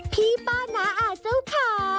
พี่ป้านาอาร์เจ้าค้า